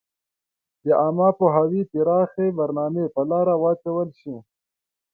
د عامه پوهاوي پراخي برنامي په لاره واچول شي.